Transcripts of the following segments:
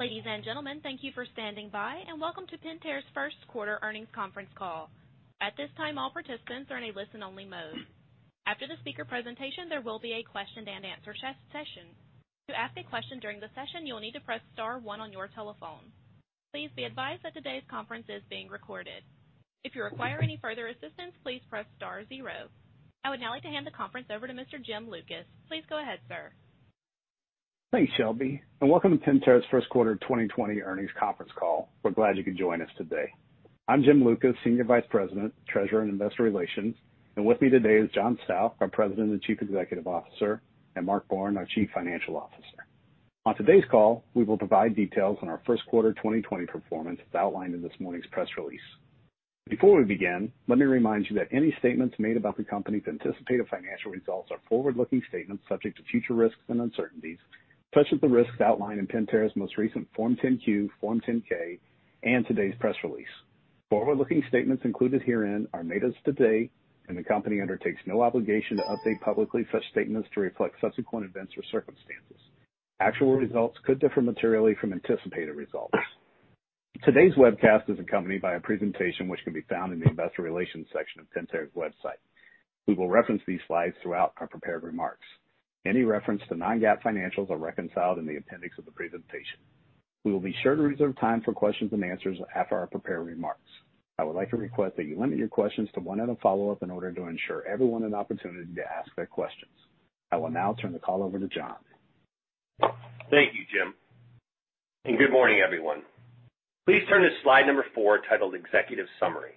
Ladies and gentlemen, thank you for standing by, and welcome to Pentair's first quarter earnings conference call. At this time, all participants are in a listen-only mode. After the speaker presentation, there will be a question-and-answer session. To ask a question during the session, you will need to press star one on your telephone. Please be advised that today's conference is being recorded. If you require any further assistance, please press star zero. I would now like to hand the conference over to Mr. Jim Lucas. Please go ahead, sir. Thanks, Shelby, and welcome to Pentair's first quarter 2020 earnings conference call. We're glad you could join us today. I'm Jim Lucas, Senior Vice President, Treasurer, and Investor Relations. With me today is John Stauch, our President and Chief Executive Officer, and Mark Borin, our Chief Financial Officer. On today's call, we will provide details on our first quarter 2020 performance, as outlined in this morning's press release. Before we begin, let me remind you that any statements made about the company's anticipated financial results are forward-looking statements subject to future risks and uncertainties, such as the risks outlined in Pentair's most recent Form 10-Q, Form 10-K, and today's press release. Forward-looking statements included herein are made as of today, and the company undertakes no obligation to update publicly such statements to reflect subsequent events or circumstances. Actual results could differ materially from anticipated results. Today's webcast is accompanied by a presentation which can be found in the investor relations section of Pentair's website. We will reference these slides throughout our prepared remarks. Any reference to non-GAAP financials are reconciled in the appendix of the presentation. We will be sure to reserve time for questions and answers after our prepared remarks. I would like to request that you limit your questions to one other follow-up in order to ensure everyone an opportunity to ask their questions. I will now turn the call over to John. Thank you, Jim, and good morning, everyone. Please turn to slide number four, titled Executive Summary.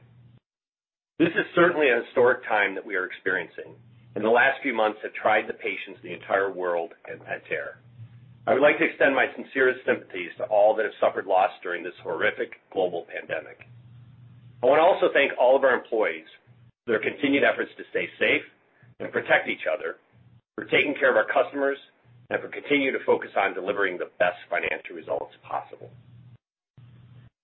This is certainly a historic time that we are experiencing, and the last few months have tried the patience of the entire world and Pentair. I would like to extend my sincerest sympathies to all that have suffered loss during this horrific global pandemic. I want to also thank all of our employees for their continued efforts to stay safe and protect each other, for taking care of our customers, and for continuing to focus on delivering the best financial results possible.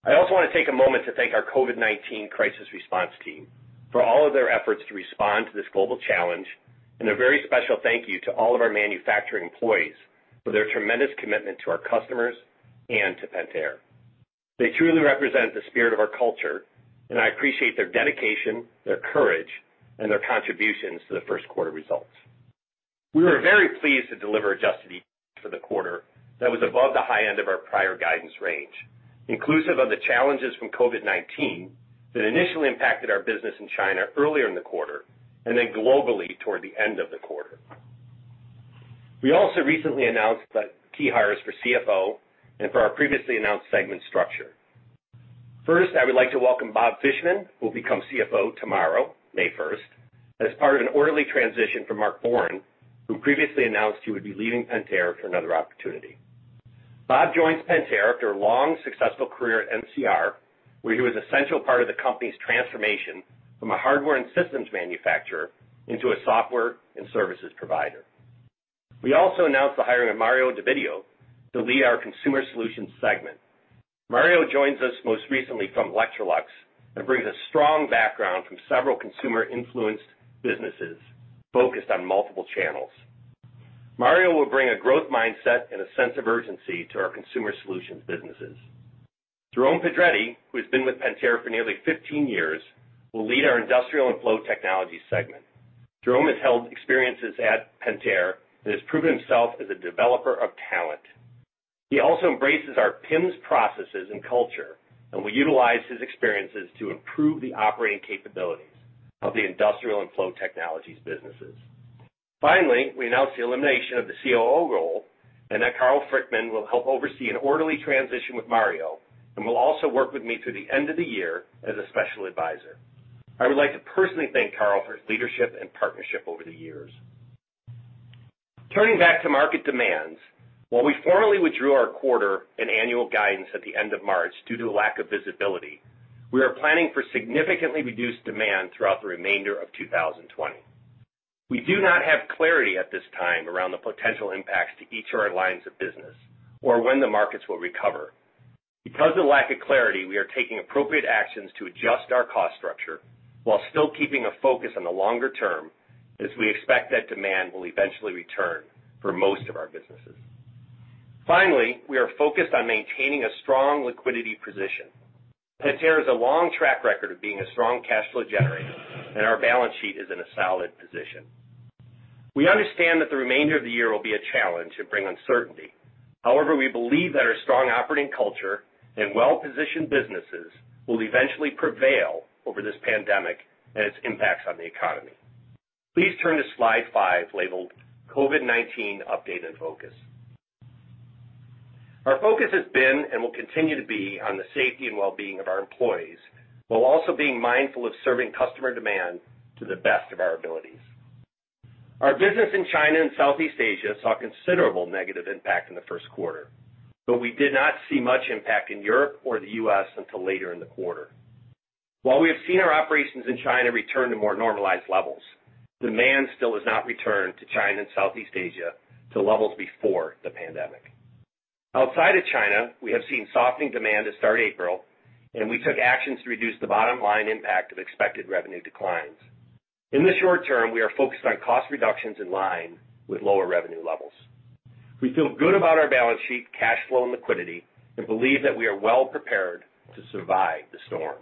I also want to take a moment to thank our COVID-19 crisis response team for all of their efforts to respond to this global challenge, and a very special thank you to all of our manufacturing employees for their tremendous commitment to our customers and to Pentair. They truly represent the spirit of our culture, and I appreciate their dedication, their courage, and their contributions to the first quarter results. We were very pleased to deliver adjusted EPS for the quarter that was above the high end of our prior guidance range, inclusive of the challenges from COVID-19 that initially impacted our business in China earlier in the quarter, and then globally toward the end of the quarter. We also recently announced key hires for CFO and for our previously announced segment structure. First, I would like to welcome Bob Fishman, who will become CFO tomorrow, May 1st, as part of an orderly transition from Mark Borin, who previously announced he would be leaving Pentair for another opportunity. Bob joins Pentair after a long, successful career at NCR, where he was a central part of the company's transformation from a hardware and systems manufacturer into a software and services provider. We also announced the hiring of Mario D'Ovidio to lead our Consumer Solutions segment. Mario joins us most recently from Electrolux and brings a strong background from several consumer-influenced businesses focused on multiple channels. Mario will bring a growth mindset and a sense of urgency to our Consumer Solutions businesses. Jerome Pedretti, who has been with Pentair for nearly 15 years, will lead our Industrial & Flow Technologies segment. Jerome has held experiences at Pentair and has proven himself as a developer of talent. He also embraces our PIMS processes and culture and will utilize his experiences to improve the operating capabilities of the Industrial & Flow Technologies businesses. Finally, we announced the elimination of the COO role and that Karl Frykman will help oversee an orderly transition with Mario and will also work with me through the end of the year as a special advisor. I would like to personally thank Karl for his leadership and partnership over the years. Turning back to market demands, while we formally withdrew our quarter and annual guidance at the end of March due to a lack of visibility, we are planning for significantly reduced demand throughout the remainder of 2020. We do not have clarity at this time around the potential impacts to each of our lines of business or when the markets will recover. Because of the lack of clarity, we are taking appropriate actions to adjust our cost structure while still keeping a focus on the longer term, as we expect that demand will eventually return for most of our businesses. Finally, we are focused on maintaining a strong liquidity position. Pentair has a long track record of being a strong cash flow generator, and our balance sheet is in a solid position. We understand that the remainder of the year will be a challenge and bring uncertainty. However, we believe that our strong operating culture and well-positioned businesses will eventually prevail over this pandemic and its impacts on the economy. Please turn to slide five, labeled COVID-19 Update and Focus. Our focus has been, and will continue to be, on the safety and well-being of our employees, while also being mindful of serving customer demand to the best of our abilities. Our business in China and Southeast Asia saw considerable negative impact in the first quarter, but we did not see much impact in Europe or the U.S. until later in the quarter. While we have seen our operations in China return to more normalized levels, demand still has not returned to China and Southeast Asia to levels before the pandemic. Outside of China, we have seen softening demand to start April, and we took actions to reduce the bottom-line impact of expected revenue declines. In the short term, we are focused on cost reductions in line with lower revenue levels. We feel good about our balance sheet, cash flow, and liquidity, and believe that we are well-prepared to survive the storm.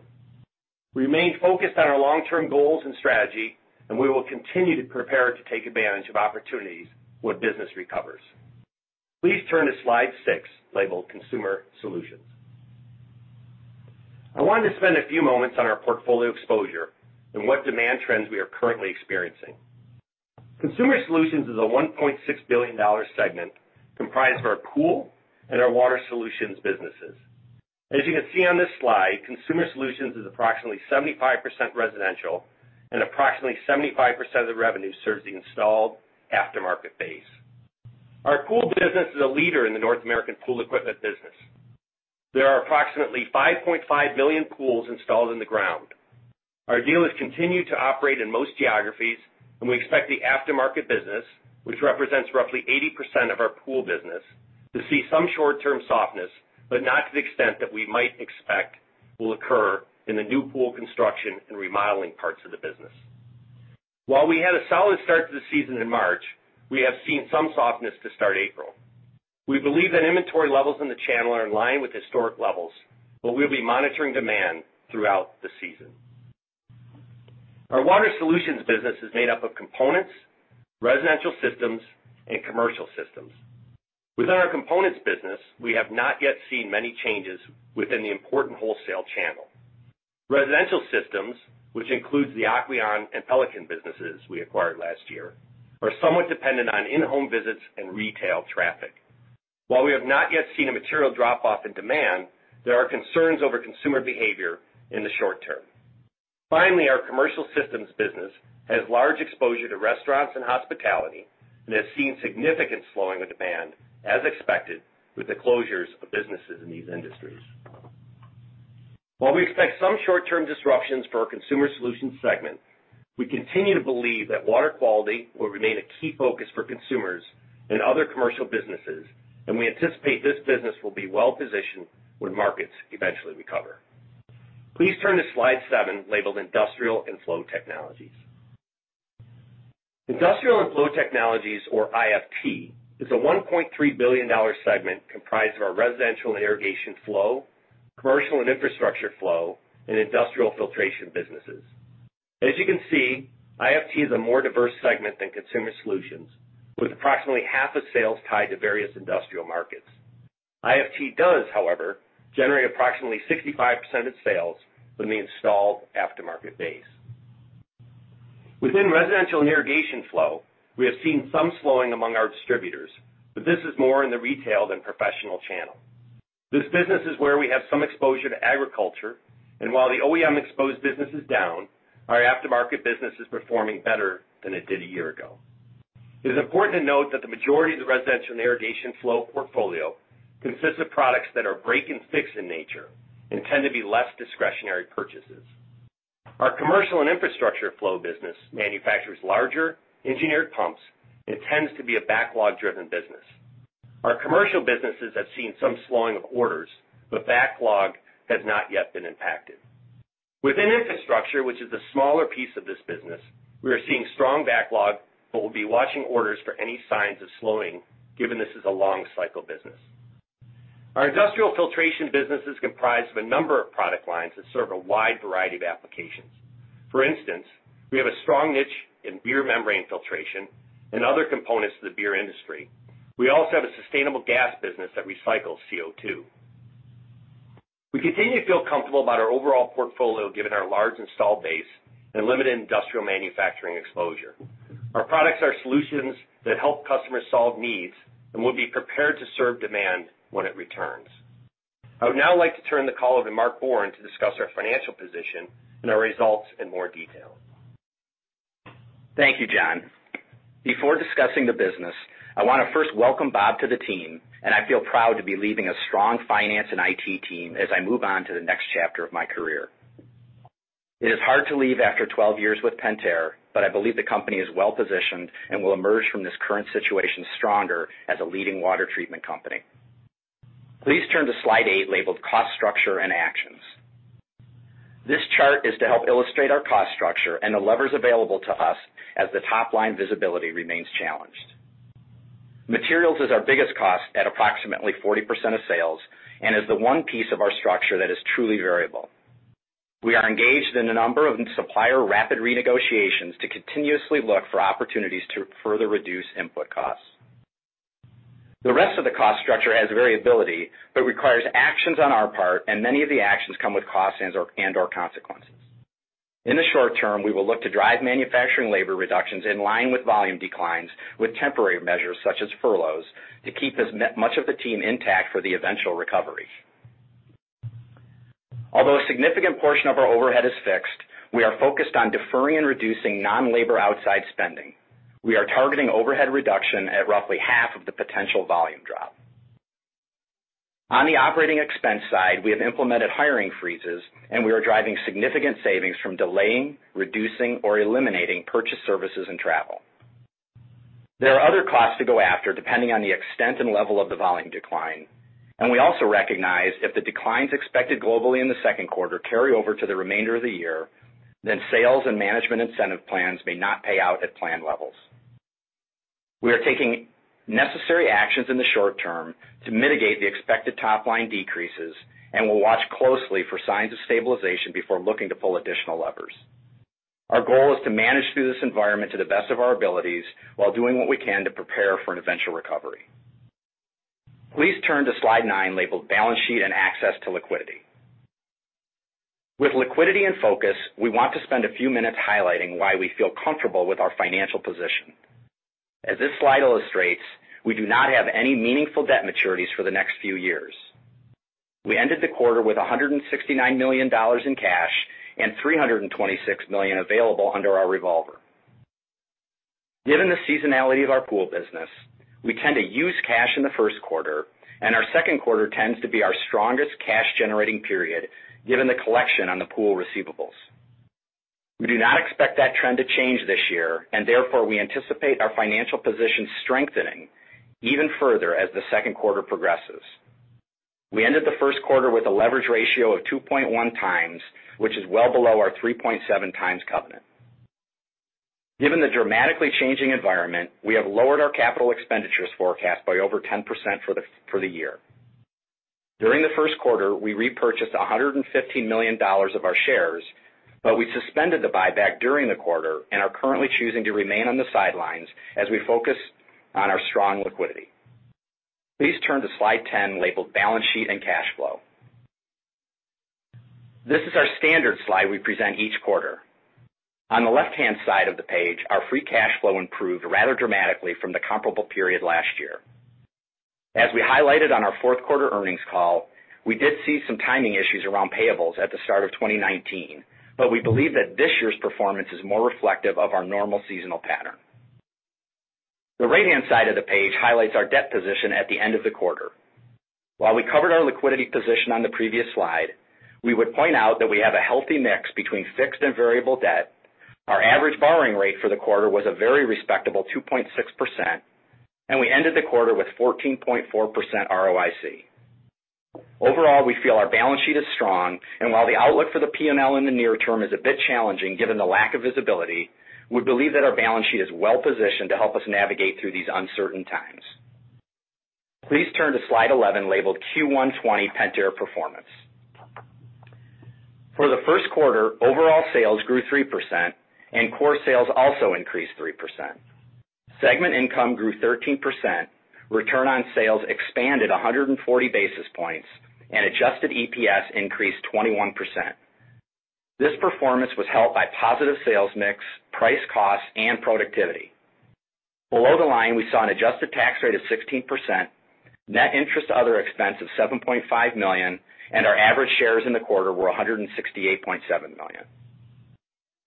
We remain focused on our long-term goals and strategy, and we will continue to prepare to take advantage of opportunities when business recovers. Please turn to slide six, labeled Consumer Solutions. I wanted to spend a few moments on our portfolio exposure and what demand trends we are currently experiencing. Consumer Solutions is a $1.6 billion segment comprised of our Pool and our Water Solutions businesses. As you can see on this slide, Consumer Solutions is approximately 75% residential, and approximately 75% of the revenue serves the installed aftermarket base. Our Pool business is a leader in the North American pool equipment business. There are approximately 5.5 million pools installed in the ground. Our dealers continue to operate in most geographies, and we expect the aftermarket business, which represents roughly 80% of our Pool business, to see some short-term softness, but not to the extent that we might expect will occur in the new pool construction and remodeling parts of the business. While we had a solid start to the season in March, we have seen some softness to start April. We believe that inventory levels in the channel are in line with historic levels, but we'll be monitoring demand throughout the season. Our Water Solutions business is made up of components, residential systems, and commercial systems. Within our components business, we have not yet seen many changes within the important wholesale channel. Residential systems, which includes the Aquion and Pelican businesses we acquired last year, are somewhat dependent on in-home visits and retail traffic. While we have not yet seen a material drop-off in demand, there are concerns over consumer behavior in the short term. Finally, our commercial systems business has large exposure to restaurants and hospitality and has seen significant slowing of demand, as expected, with the closures of businesses in these industries. While we expect some short-term disruptions for our Consumer Solutions segment, we continue to believe that water quality will remain a key focus for consumers and other commercial businesses, and we anticipate this business will be well-positioned when markets eventually recover. Please turn to slide seven, labeled Industrial & Flow Technologies. Industrial & Flow Technologies, or IFT, is a $1.3 billion segment comprised of our residential and irrigation flow, commercial and infrastructure flow, and industrial filtration businesses. As you can see, IFT is a more diverse segment than Consumer Solutions, with approximately half of sales tied to various industrial markets. IFT does, however, generate approximately 65% of sales from the installed aftermarket base. Within residential and irrigation flow, we have seen some slowing among our distributors, but this is more in the retail than professional channel. This business is where we have some exposure to agriculture and while the OEM-exposed business is down, our aftermarket business is performing better than it did a year ago. It is important to note that the majority of the residential and irrigation flow portfolio consists of products that are break and fix in nature and tend to be less discretionary purchases. Our commercial and infrastructure flow business manufactures larger engineered pumps and tends to be a backlog-driven business. Our commercial businesses have seen some slowing of orders but backlog has not yet been impacted. Within infrastructure, which is the smaller piece of this business, we are seeing strong backlog. We'll be watching orders for any signs of slowing given this is a long cycle business. Our industrial filtration business is comprised of a number of product lines that serve a wide variety of applications. For instance, we have a strong niche in beer membrane filtration and other components to the beer industry. We also have a sustainable gas business that recycles CO2. We continue to feel comfortable about our overall portfolio given our large installed base and limited industrial manufacturing exposure. Our products are solutions that help customers solve needs, and we'll be prepared to serve demand when it returns. I would now like to turn the call over to Mark Borin to discuss our financial position and our results in more detail. Thank you, John. Before discussing the business, I want to first welcome Bob to the team, and I feel proud to be leaving a strong finance and IT team as I move on to the next chapter of my career. It is hard to leave after 12 years with Pentair, but I believe the company is well-positioned and will emerge from this current situation stronger as a leading water treatment company. Please turn to slide eight, labeled Cost Structure and Actions. This chart is to help illustrate our cost structure and the levers available to us as the top-line visibility remains challenged. Materials is our biggest cost at approximately 40% of sales and is the one piece of our structure that is truly variable. We are engaged in a number of supplier rapid renegotiations to continuously look for opportunities to further reduce input costs. The rest of the cost structure has variability, but requires actions on our part, and many of the actions come with costs and/or consequences. In the short term, we will look to drive manufacturing labor reductions in line with volume declines with temporary measures such as furloughs to keep as much of the team intact for the eventual recovery. Although a significant portion of our overhead is fixed, we are focused on deferring and reducing non-labor outside spending. We are targeting overhead reduction at roughly half of the potential volume drop. On the operating expense side, we have implemented hiring freezes, and we are driving significant savings from delaying, reducing, or eliminating purchase services and travel. There are other costs to go after depending on the extent and level of the volume decline and we also recognize if the declines expected globally in the second quarter carry over to the remainder of the year, sales and management incentive plans may not pay out at planned levels. We are taking necessary actions in the short term to mitigate the expected top-line decreases, and we'll watch closely for signs of stabilization before looking to pull additional levers. Our goal is to manage through this environment to the best of our abilities, while doing what we can to prepare for an eventual recovery. Please turn to slide nine, labeled Balance Sheet and Access to Liquidity. With liquidity and focus, we want to spend a few minutes highlighting why we feel comfortable with our financial position. As this slide illustrates, we do not have any meaningful debt maturities for the next few years. We ended the quarter with $169 million in cash and $326 million available under our revolver. Given the seasonality of our Pool business, we tend to use cash in the first quarter, and our second quarter tends to be our strongest cash-generating period, given the collection on the Pool receivables. We do not expect that trend to change this year, and therefore, we anticipate our financial position strengthening even further as the second quarter progresses. We ended the first quarter with a leverage ratio of 2.1x, which is well below our 3.7x covenant. Given the dramatically changing environment, we have lowered our capital expenditures forecast by over 10% for the year. During the first quarter, we repurchased $115 million of our shares, we suspended the buyback during the quarter and are currently choosing to remain on the sidelines as we focus on our strong liquidity. Please turn to slide 10, labeled Balance Sheet and Cash Flow. This is our standard slide we present each quarter. On the left-hand side of the page, our free cash flow improved rather dramatically from the comparable period last year. As we highlighted on our fourth quarter earnings call, we did see some timing issues around payables at the start of 2019. We believe that this year's performance is more reflective of our normal seasonal pattern. The right-hand side of the page highlights our debt position at the end of the quarter. While we covered our liquidity position on the previous slide, we would point out that we have a healthy mix between fixed and variable debt. Our average borrowing rate for the quarter was a very respectable 2.6%, and we ended the quarter with 14.4% ROIC. Overall, we feel our balance sheet is strong, and while the outlook for the P&L in the near term is a bit challenging, given the lack of visibility, we believe that our balance sheet is well-positioned to help us navigate through these uncertain times. Please turn to slide 11, labeled Q1 2020 Pentair Performance. For the first quarter, overall sales grew 3%, and core sales also increased 3%. Segment income grew 13%, return on sales expanded 140 basis points, and adjusted EPS increased 21%. This performance was helped by positive sales mix, price cost, and productivity. Below the line, we saw an adjusted tax rate of 16%, net interest other expense of $7.5 million, and our average shares in the quarter were 168.7 million.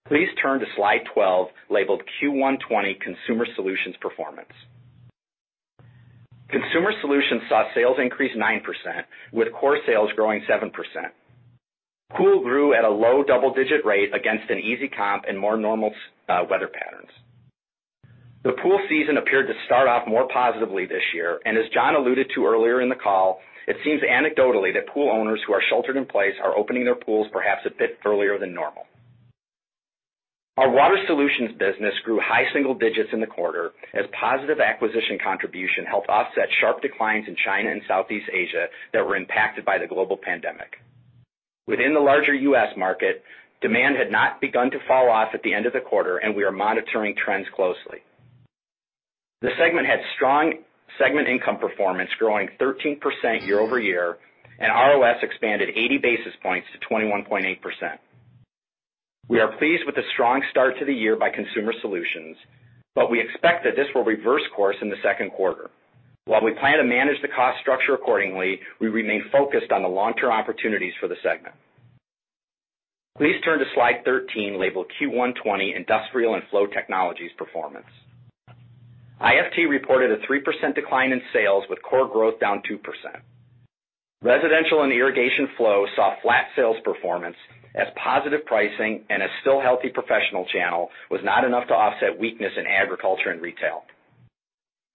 Please turn to slide 12, labeled Q1 2020 Consumer Solutions Performance. Consumer Solutions saw sales increase 9%, with core sales growing 7%. Pool grew at a low double-digit rate against an easy comp and more normal weather patterns. The pool season appeared to start off more positively this year, and as John alluded to earlier in the call, it seems anecdotally that pool owners who are sheltered in place are opening their pools perhaps a bit earlier than normal. Our Water Solutions business grew high single digits in the quarter, as positive acquisition contribution helped offset sharp declines in China and Southeast Asia that were impacted by the global pandemic. Within the larger U.S. market, demand had not begun to fall off at the end of the quarter, and we are monitoring trends closely. The segment had strong segment income performance, growing 13% year-over-year, and ROS expanded 80 basis points to 21.8%. We are pleased with the strong start to the year by Consumer Solutions, but we expect that this will reverse course in the second quarter. While we plan to manage the cost structure accordingly, we remain focused on the long-term opportunities for the segment. Please turn to slide 13, labeled Q1 2020 Industrial & Flow Technologies Performance IFT reported a 3% decline in sales, with core growth down 2%. Residential and irrigation flow saw flat sales performance as positive pricing and a still healthy professional channel was not enough to offset weakness in agriculture and retail.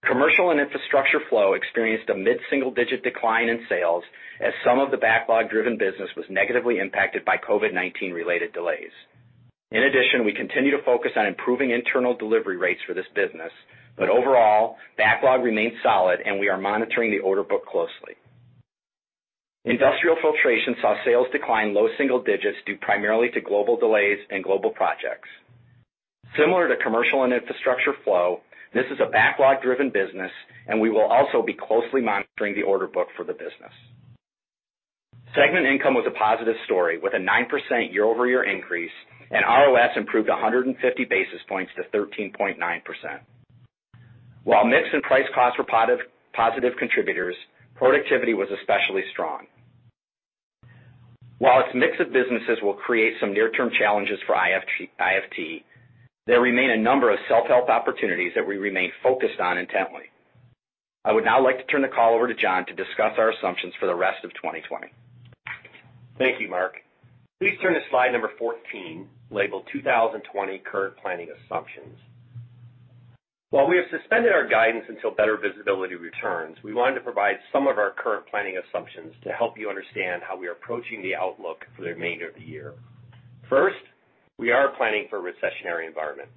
Commercial and infrastructure flow experienced a mid-single-digit decline in sales as some of the backlog-driven business was negatively impacted by COVID-19-related delays. In addition, we continue to focus on improving internal delivery rates for this business, but overall, backlog remains solid, and we are monitoring the order book closely. Industrial filtration saw sales decline low single digits due primarily to global delays and global projects. Similar to commercial and infrastructure flow, this is a backlog-driven business, and we will also be closely monitoring the order book for the business. Segment income was a positive story, with a 9% year-over-year increase, and ROS improved 150 basis points to 13.9%. While mix and price costs were positive contributors, productivity was especially strong. While its mix of businesses will create some near-term challenges for IFT, there remain a number of self-help opportunities that we remain focused on intently. I would now like to turn the call over to John to discuss our assumptions for the rest of 2020. Thank you, Mark. Please turn to slide number 14, labeled 2020 Current Planning Assumptions. While we have suspended our guidance until better visibility returns, we wanted to provide some of our current planning assumptions to help you understand how we are approaching the outlook for the remainder of the year. First, we are planning for a recessionary environment.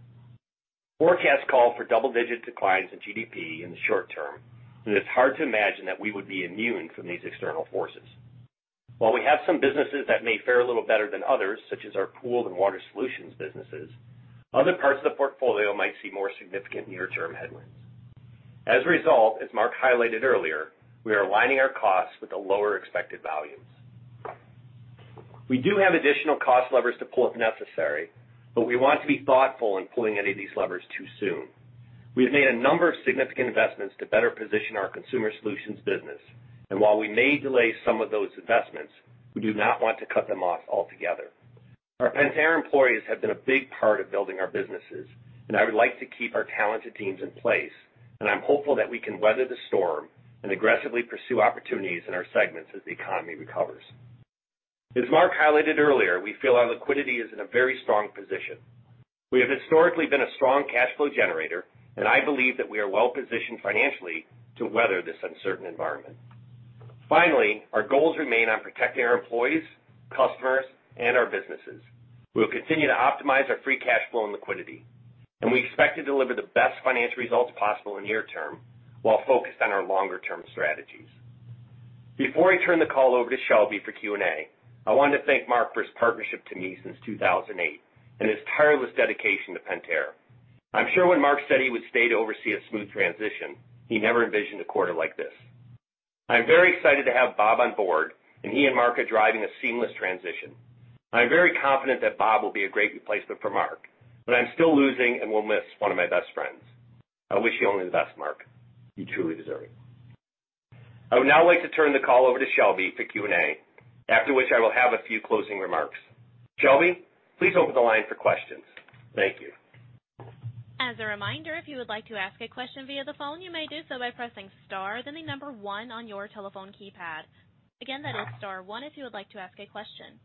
Forecasts call for double-digit declines in GDP in the short term, and it's hard to imagine that we would be immune from these external forces. While we have some businesses that may fare a little better than others, such as our Pool and Water Solutions businesses, other parts of the portfolio might see more significant near-term headwinds. As a result, as Mark highlighted earlier, we are aligning our costs with the lower expected volumes. We do have additional cost levers to pull if necessary, but we want to be thoughtful in pulling any of these levers too soon. We have made a number of significant investments to better position our Consumer Solutions business, and while we may delay some of those investments, we do not want to cut them off altogether. Our Pentair employees have been a big part of building our businesses, and I would like to keep our talented teams in place, and I'm hopeful that we can weather the storm and aggressively pursue opportunities in our segments as the economy recovers. As Mark highlighted earlier, we feel our liquidity is in a very strong position. We have historically been a strong cash flow generator, and I believe that we are well-positioned financially to weather this uncertain environment. Finally, our goals remain on protecting our employees, customers, and our businesses. We will continue to optimize our free cash flow and liquidity. We expect to deliver the best financial results possible in near-term while focused on our longer-term strategies. Before I turn the call over to Shelby for Q&A, I want to thank Mark for his partnership to me since 2008 and his tireless dedication to Pentair. I'm sure when Mark said he would stay to oversee a smooth transition, he never envisioned a quarter like this. I'm very excited to have Bob on board. He and Mark are driving a seamless transition. I'm very confident that Bob will be a great replacement for Mark. I'm still losing and will miss one of my best friends. I wish you only the best, Mark. You truly deserve it. I would now like to turn the call over to Shelby for Q&A, after which I will have a few closing remarks. Shelby, please open the line for questions. Thank you. As a reminder, if you would like to ask a question via the phone, you may do so by pressing star then the number 1 on your telephone keypad. Again, that is star 1 if you would like to ask a question.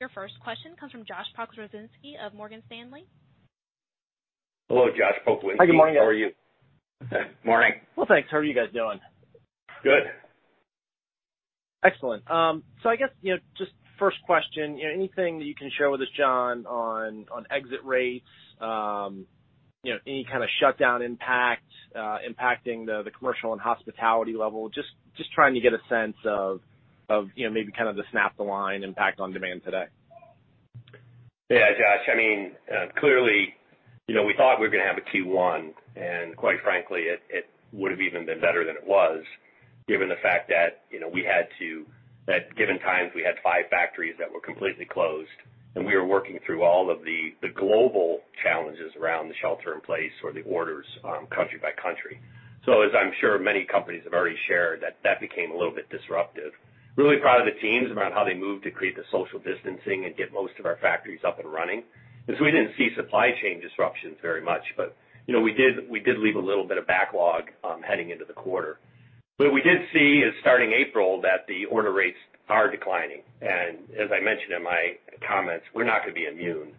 Your first question comes from Joshua Pokrzywinski of Morgan Stanley. Hello, Joshua Pokrzywinski. Hi. Good morning, guys. How are you? Morning. Well, thanks. How are you guys doing? Good. Excellent. I guess, just first question. Anything that you can share with us, John, on exit rates? Any kind of shutdown impact impacting the commercial and hospitality level? Just trying to get a sense of maybe kind of the snap-the-line impact on demand today. Yeah, Josh. Clearly, we thought we were going to have a Q1, and quite frankly, it would have even been better than it was given the fact that at given times, we had five factories that were completely closed, and we were working through all of the global challenges around the shelter in place or the orders country by country. As I'm sure many companies have already shared, that became a little bit disruptive. Really proud of the teams about how they moved to create the social distancing and get most of our factories up and running. We didn't see supply chain disruptions very much, but we did leave a little bit of backlog heading into the quarter. What we did see is starting April, that the order rates are declining. As I mentioned in my comments, we're not going to be immune.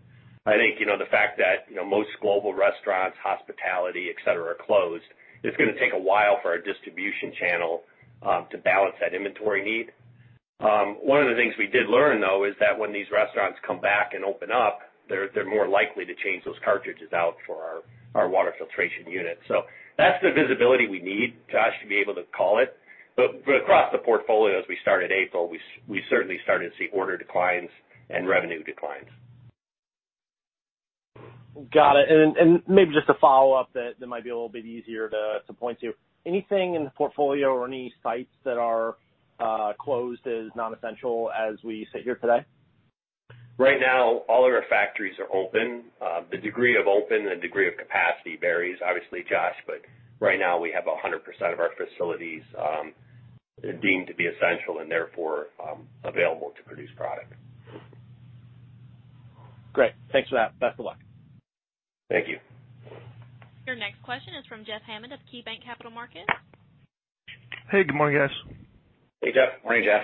I think, the fact that most global restaurants, hospitality, et cetera, are closed, it's going to take a while for our distribution channel to balance that inventory need. One of the things we did learn, though, is that when these restaurants come back and open up, they're more likely to change those cartridges out for our water filtration unit. That's the visibility we need, Josh, to be able to call it. Across the portfolio, as we started April, we certainly started to see order declines and revenue declines. Got it. Maybe just a follow-up that might be a little bit easier to point to. Anything in the portfolio or any sites that are closed as non-essential as we sit here today? Right now, all of our factories are open. The degree of open and degree of capacity varies, obviously, Josh, but right now we have 100% of our facilities deemed to be essential and therefore available to produce product. Great. Thanks for that. Best of luck. Thank you. Your next question is from Jeff Hammond of KeyBanc Capital Markets. Hey, good morning, guys. Hey, Jeff. Good morning, Jeff.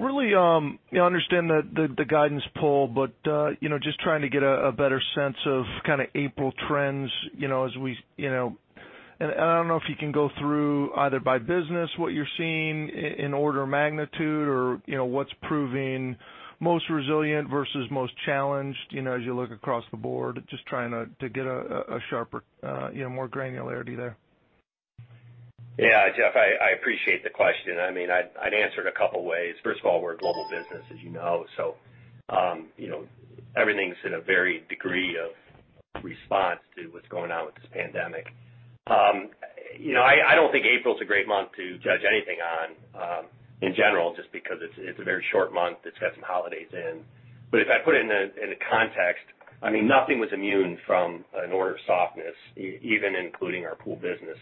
Really, I understand the guidance pull, but just trying to get a better sense of kind of April trends. I don't know if you can go through either by business what you're seeing in order magnitude or what's proving most resilient versus most challenged as you look across the board. Just trying to get a sharper, more granularity there. Yeah. Jeff, I appreciate the question. I'd answer it a couple ways. First of all, we're a global business, as you know. Everything's in a varied degree of response to what's going on with this pandemic. I don't think April's a great month to judge anything on in general, just because it's a very short month. It's got some holidays in. If I put it in a context, nothing was immune from an order softness, even including our Pool business.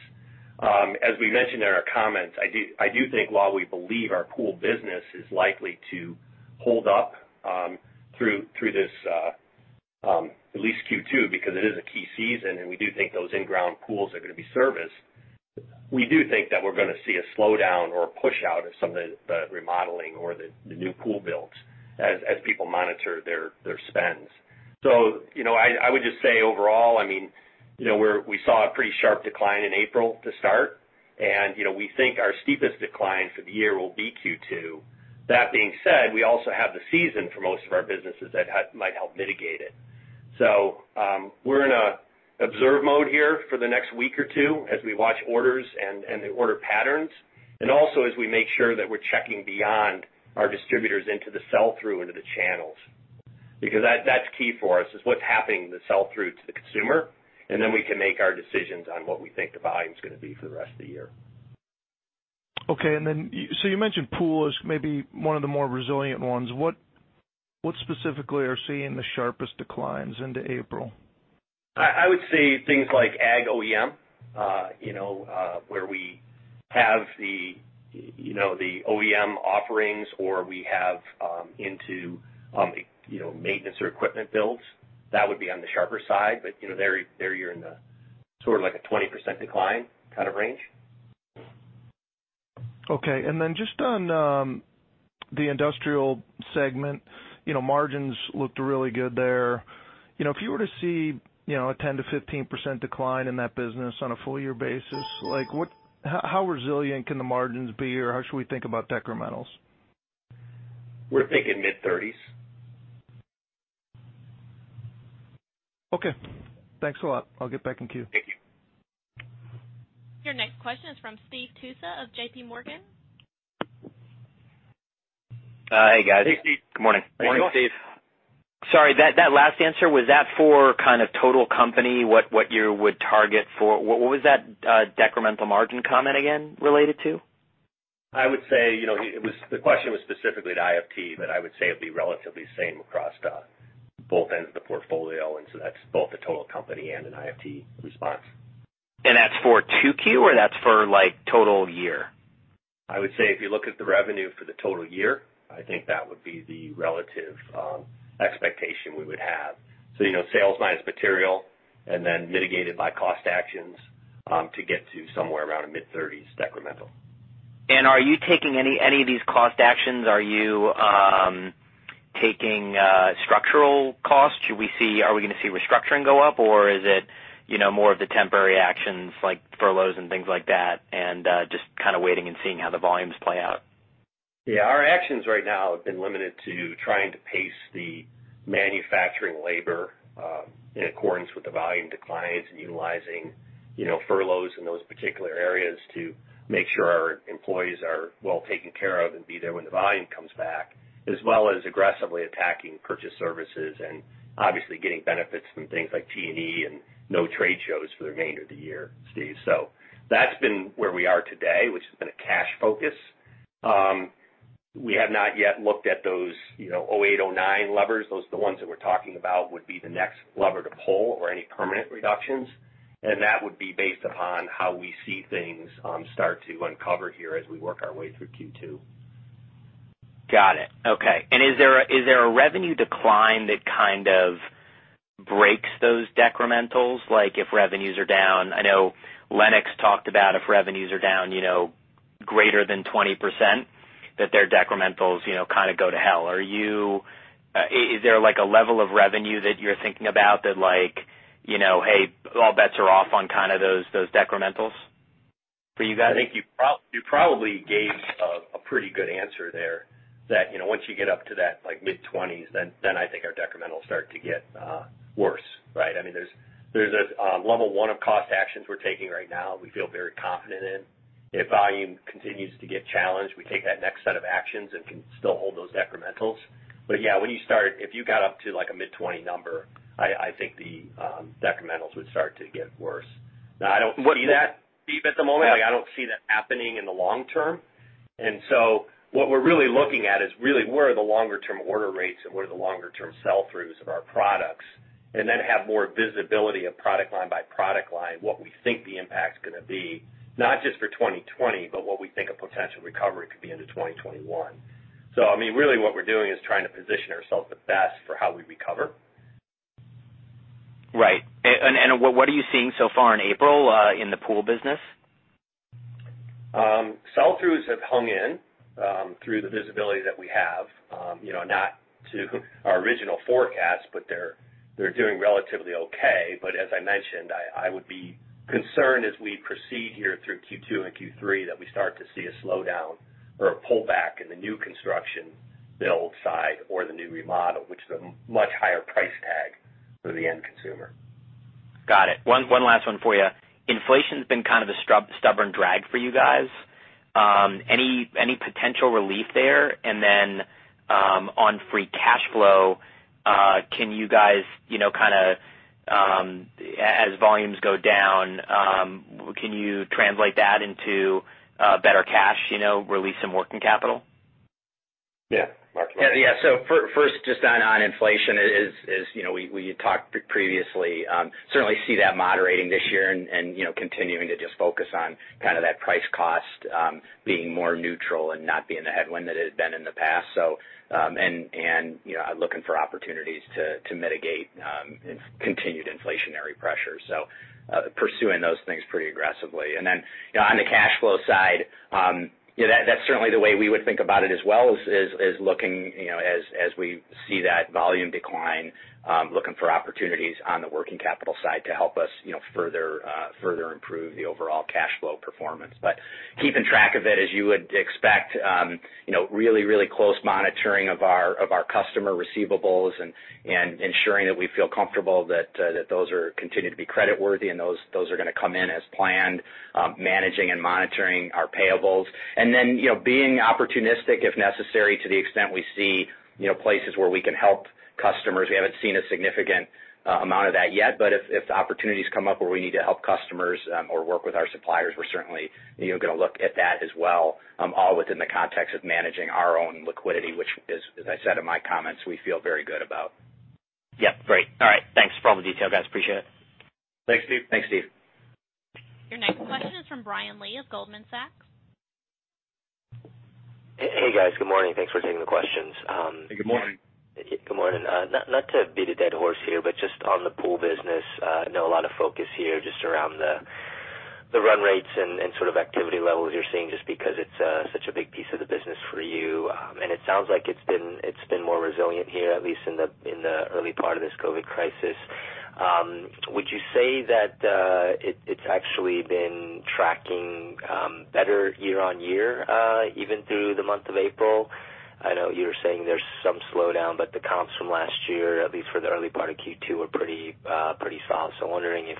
As we mentioned in our comments, I do think while we believe our Pool business is likely to hold up through this, at least Q2, because it is a key season, and we do think those in-ground pools are going to be serviced. We do think that we're going to see a slowdown or a push-out of some of the remodeling or the new pool builds as people monitor their spends. I would just say overall, we saw a pretty sharp decline in April to start, and we think our steepest decline for the year will be Q2. That being said, we also have the season for most of our businesses that might help mitigate it. We're in a observe mode here for the next week or two as we watch orders and the order patterns, and also as we make sure that we're checking beyond our distributors into the sell-through into the channels. That's key for us, is what's happening with the sell-through to the consumer, and then we can make our decisions on what we think the volume's going to be for the rest of the year. Okay. You mentioned Pool is maybe one of the more resilient ones. What specifically are seeing the sharpest declines into April? I would say things like ag OEM, where we have the OEM offerings, or we have into maintenance or equipment builds. That would be on the sharper side, but there you're in the sort of like a 20% decline kind of range. Okay, just on the Industrial segment, margins looked really good there. If you were to see a 10%-15% decline in that business on a full year basis, how resilient can the margins be, or how should we think about decrementals? We're thinking mid-30s. Okay. Thanks a lot. I'll get back in queue. Thank you. Your next question is from Steve Tusa of JPMorgan. Hey, guys. Hey, Steve. Good morning. Morning, Steve. Sorry, that last answer, was that for kind of total company, What was that decremental margin comment again related to? I would say, the question was specifically to IFT, but I would say it'd be relatively the same across both ends of the portfolio, and so that's both the total company and an IFT response. That's for 2Q, or that's for total year? I would say if you look at the revenue for the total year, I think that would be the relative expectation we would have. Sales minus material and then mitigated by cost actions to get to somewhere around a mid-30s decremental. Are you taking any of these cost actions? Are you taking structural costs? Are we going to see restructuring go up, or is it more of the temporary actions like furloughs and things like that, and just kind of waiting and seeing how the volumes play out? Yeah. Our actions right now have been limited to trying to pace the manufacturing labor in accordance with the volume declines and utilizing furloughs in those particular areas to make sure our employees are well taken care of and be there when the volume comes back, as well as aggressively attacking purchase services and obviously getting benefits from things like T&E and no trade shows for the remainder of the year, Steve. That's been where we are today, which has been a cash focus. We have not yet looked at those 2008, 2009 levers. Those are the ones that we're talking about would be the next lever to pull or any permanent reductions, and that would be based upon how we see things start to uncover here as we work our way through Q2. Got it. Okay. Is there a revenue decline that kind of breaks those decrementals? Like if revenues are down, I know Lennox talked about if revenues are down greater than 20%, that their decrementals kind of go to hell. Is there a level of revenue that you're thinking about that like, "Hey, all bets are off on kind of those decrementals for you guys? I think you probably gave a pretty good answer there, that once you get up to that mid-20s, then I think our decrementals start to get worse, right? There's a level 1 of cost actions we're taking right now we feel very confident in. If volume continues to get challenged, we take that next set of actions and can still hold those decrementals. Yeah, if you got up to a mid-20 number, I think the decrementals would start to get worse. I don't see that, Steve, at the moment. I don't see that happening in the long term. What we're really looking at is really where are the longer-term order rates and where are the longer-term sell-throughs of our products, and then have more visibility of product line by product line, what we think the impact's going to be, not just for 2020, but what we think a potential recovery could be into 2021. Really what we're doing is trying to position ourselves the best for how we recover. Right. What are you seeing so far in April in the Pool business? Sell-throughs have hung in through the visibility that we have. Not to our original forecast, but they're doing relatively okay. As I mentioned, I would be concerned as we proceed here through Q2 and Q3 that we start to see a slowdown or a pullback in the new construction build side or the new remodel, which is a much higher price tag for the end consumer. Got it. One last one for you. Inflation's been kind of a stubborn drag for you guys. Any potential relief there? And then on free cash flow, as volumes go down, can you translate that into better cash, release some working capital? Yeah. Mark, you want to- First, just on inflation is, we had talked previously. Certainly see that moderating this year and continuing to just focus on that price cost being more neutral and not being the headwind that it had been in the past. Looking for opportunities to mitigate continued inflationary pressure. Pursuing those things pretty aggressively. On the cash flow side, that's certainly the way we would think about it as well, is looking as we see that volume decline, looking for opportunities on the working capital side to help us further improve the overall cash flow performance. Keeping track of it, as you would expect, really close monitoring of our customer receivables and ensuring that we feel comfortable that those are continuing to be credit worthy and those are going to come in as planned. Managing and monitoring our payables and then being opportunistic if necessary to the extent we see places where we can help customers. We haven't seen a significant amount of that yet, but if the opportunities come up where we need to help customers or work with our suppliers, we're certainly going to look at that as well, all within the context of managing our own liquidity, which is, as I said in my comments, we feel very good about. Yep. Great. All right. Thanks for all the detail, guys. Appreciate it. Thanks, Steve. Thanks, Steve. Your next question is from Brian Lee of Goldman Sachs. Hey, guys. Good morning. Thanks for taking the questions. Hey, good morning. Good morning. Not to beat a dead horse here, just on the Pool business. I know a lot of focus here just around the run rates and sort of activity levels you're seeing, just because it's such a big piece of the business for you. It sounds like it's been more resilient here, at least in the early part of this COVID crisis. Would you say that it's actually been tracking better year-on-year even through the month of April? I know you were saying there's some slowdown, but the comps from last year, at least for the early part of Q2, were pretty solid. I'm wondering if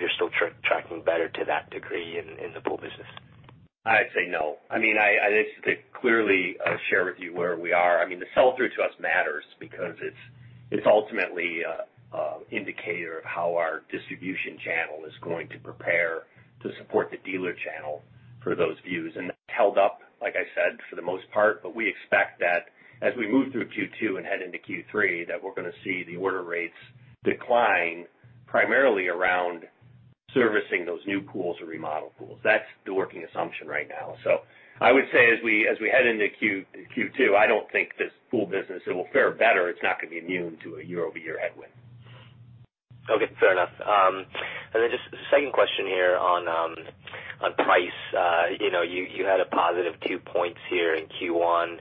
you're still tracking better to that degree in the Pool business. I'd say no. I mean, I clearly share with you where we are. I mean, the sell-through to us matters because it's ultimately an indicator of how our distribution channel is going to prepare to support the dealer channel for those views. That's held up, like I said, for the most part. We expect that as we move through Q2 and head into Q3, that we're going to see the order rates decline primarily around servicing those new pools or remodel pools. That's the working assumption right now. I would say as we head into Q2, I don't think this Pool business, it will fare better. It's not going to be immune to a year-over-year headwind. Okay. Fair enough. Just second question here on price. You had a +2 points here in Q1.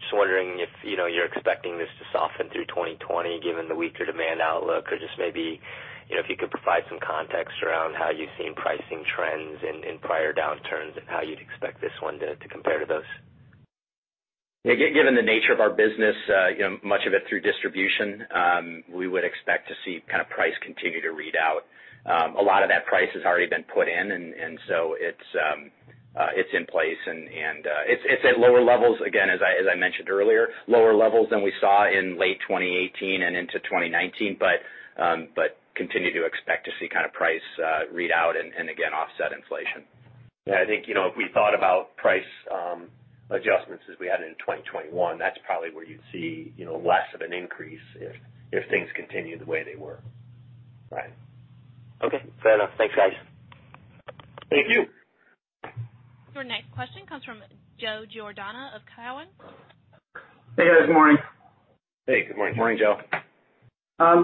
Just wondering if you're expecting this to soften through 2020 given the weaker demand outlook. Just maybe if you could provide some context around how you've seen pricing trends in prior downturns and how you'd expect this one to compare to those. Yeah. Given the nature of our business, much of it through distribution, we would expect to see price continue to read out. A lot of that price has already been put in, and so it's in place and it's at lower levels, again, as I mentioned earlier. Lower levels than we saw in late 2018 and into 2019, but continue to expect to see price read out and again, offset inflation. Yeah, I think, if we thought about price adjustments as we had in 2021, that's probably where you'd see less of an increase if things continue the way they were, Brian. Okay, fair enough. Thanks, guys. Thank you. Your next question comes from Joe Giordano of Cowen. Hey, guys. Morning. Hey, good morning. Morning, Joe. I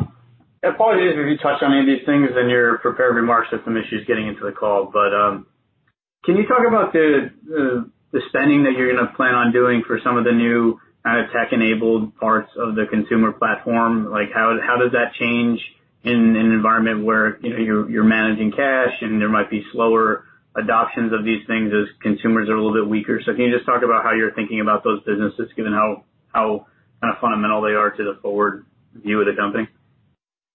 apologize if you touched on any of these things in your prepared remarks. Had some issues getting into the call. Can you talk about the spending that you're going to plan on doing for some of the new tech-enabled parts of the consumer platform? How does that change in an environment where you're managing cash and there might be slower adoptions of these things as consumers are a little bit weaker? Can you just talk about how you're thinking about those businesses, given how fundamental they are to the forward view of the company?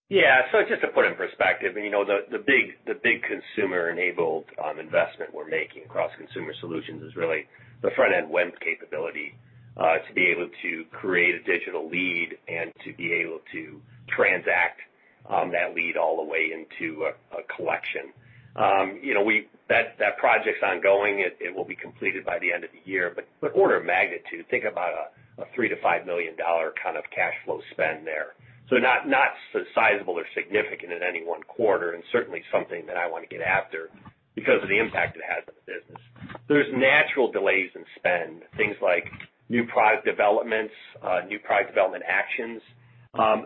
Yeah. Just to put it in perspective, the big consumer-enabled investment we're making across Consumer Solutions is really the front-end web capability to be able to create a digital lead and to be able to transact that lead all the way into a collection. That project's ongoing. It will be completed by the end of the year. Order of magnitude, think about a $3 million-$5 million kind of cash flow spend there. Not sizable or significant in any one quarter, and certainly something that I want to get after because of the impact it has on the business. There's natural delays in spend. Things like new product developments, new product development actions.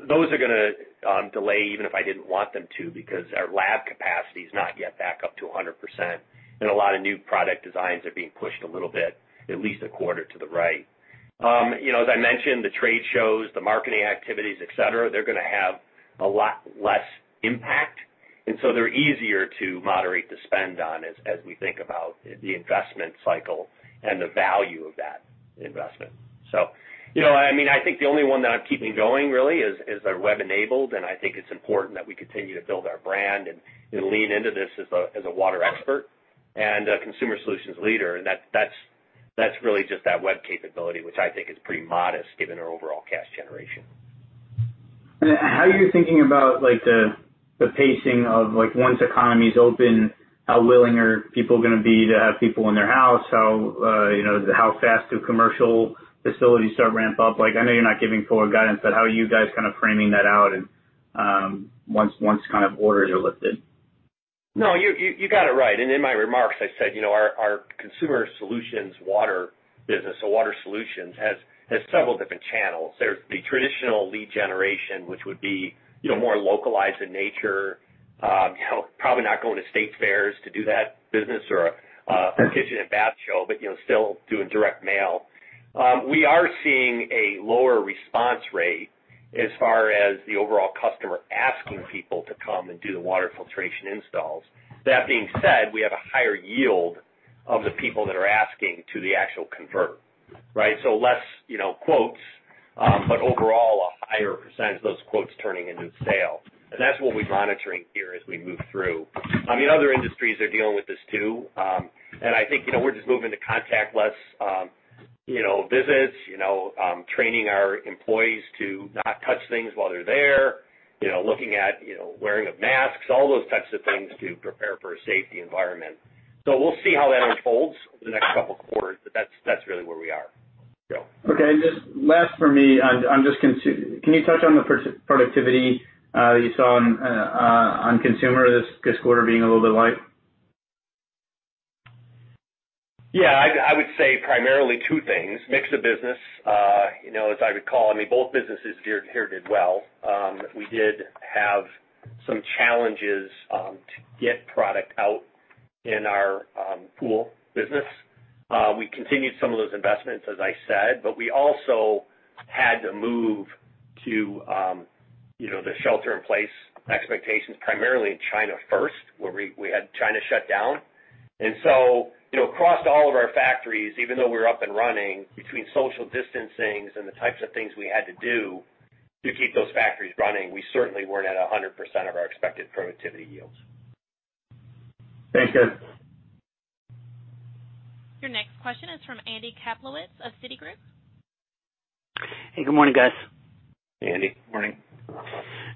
Those are going to delay even if I didn't want them to, because our lab capacity is not yet back up to 100%, and a lot of new product designs are being pushed a little bit, at least a quarter to the right. As I mentioned, the trade shows, the marketing activities, etc., they're going to have a lot less impact, and so they're easier to moderate the spend on as we think about the investment cycle and the value of that investment. I think the only one that I'm keeping going really is our web-enabled, and I think it's important that we continue to build our brand and lean into this as a water expert and a Consumer Solutions leader. That's really just that web capability, which I think is pretty modest given our overall cash generation. How are you thinking about like the pacing of once economies open, how willing are people going to be to have people in their house? How fast do commercial facilities start ramp up? I know you're not giving forward guidance, but how are you guys kind of framing that out once orders are lifted? No, you got it right. In my remarks, I said our Consumer Solutions water business or Water Solutions has several different channels. There's the traditional lead generation, which would be more localized in nature. Probably not going to state fairs to do that business or a kitchen and bath show, but still doing direct mail. We are seeing a lower response rate as far as the overall customer asking people to come and do the water filtration installs. That being said, we have a higher yield of the people that are asking to the actual convert, right? Less quotes, but overall a higher percent of those quotes turning into sales. That's what we're monitoring here as we move through. Other industries are dealing with this too. I think we're just moving to contactless visits, training our employees to not touch things while they're there, looking at wearing of masks, all those types of things to prepare for a safety environment. We'll see how that unfolds over the next couple of quarters, but that's really where we are, Joe. Okay. Just last for me, can you touch on the productivity you saw on Consumer this quarter being a little bit light? Yeah, I would say primarily two things, Mix of business. As I recall, both businesses here did well. We did have some challenges to get product out in our Pool business. We continued some of those investments, as I said, but we also had to move to the shelter-in-place expectations, primarily in China first, where we had China shut down. Across all of our factories, even though we're up and running, between social distancings and the types of things we had to do to keep those factories running, we certainly weren't at 100% of our expected productivity yields. Thanks, guys. Your next question is from Andy Kaplowitz of Citigroup. Hey, good morning, guys. Hey, Andy. Good morning.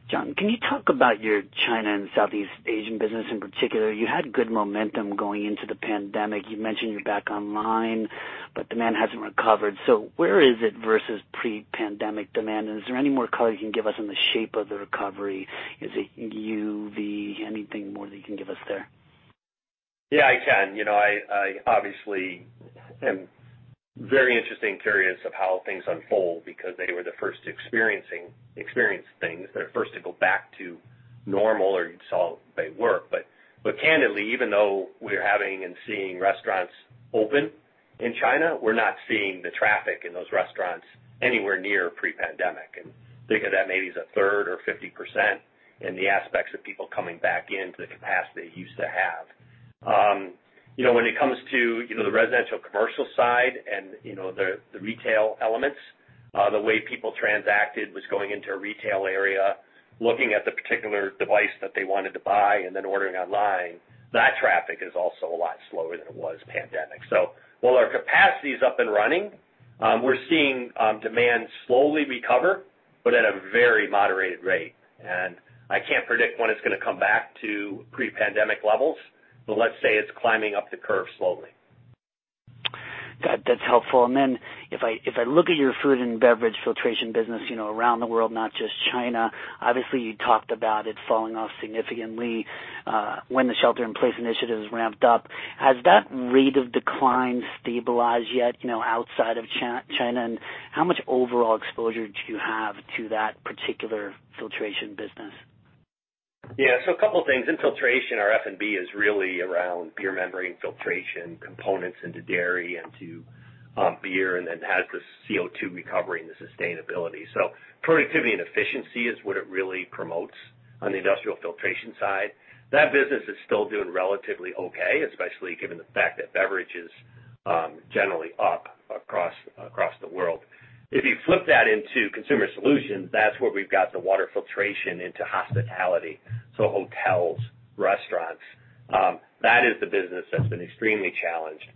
John, can you talk about your China and Southeast Asian business in particular? You had good momentum going into the pandemic. You mentioned you're back online, but demand hasn't recovered. Where is it versus pre-pandemic demand? Is there any more color you can give us on the shape of the recovery? Is it U or V? Anything more that you can give us there? Yeah, I can. I obviously am very interested and curious of how things unfold because they were the first to experience things. They're first to go back to normal or saw they work. Candidly, even though we're having and seeing restaurants open in China, we're not seeing the traffic in those restaurants anywhere near pre-pandemic. Think of that maybe as 1/3 or 50% in the aspects of people coming back in to the capacity they used to have. When it comes to the residential commercial side and the retail elements, the way people transacted was going into a retail area, looking at the particular device that they wanted to buy, and then ordering online. That traffic is also a lot slower than it was pandemic. While our capacity is up and running, we're seeing demand slowly recover, but at a very moderated rate. I can't predict when it's going to come back to pre-pandemic levels, but let's say it's climbing up the curve slowly. That's helpful. If I look at your food and beverage filtration business around the world, not just China, obviously you talked about it falling off significantly when the shelter-in-place initiatives ramped up. Has that rate of decline stabilized yet outside of China? How much overall exposure do you have to that particular filtration business? A couple of things. In filtration, our F&B is really around pure membrane filtration components into dairy and to beer, and then has the CO2 recovery and the sustainability. Productivity and efficiency is what it really promotes on the industrial filtration side. That business is still doing relatively okay, especially given the fact that beverage is generally up across the world. If you flip that into Consumer Solutions, that's where we've got the water filtration into hospitality, so hotels, restaurants. That is the business that's been extremely challenged.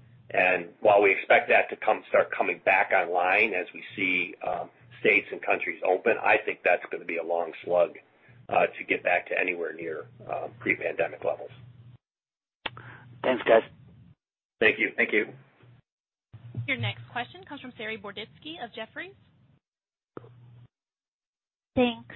While we expect that to start coming back online as we see states and countries open, I think that's going to be a long slug to get back to anywhere near pre-pandemic levels. Thanks, guys. Thank you. Thank you. Your next question comes from Saree Boroditsky of Jefferies. Thanks.